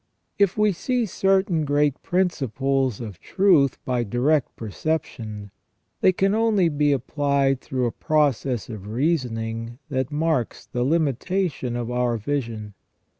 If we see certain great principles of truth by direct perception, they can only be applied through a process of reasoning that marks the limitation of our vision.